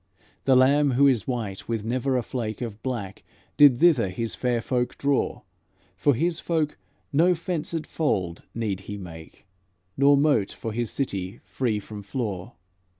The Lamb Who is white with never a flake Of black, did thither His fair folk draw; For His flock no fenced fold need He make, Nor moat for His city free from flaw."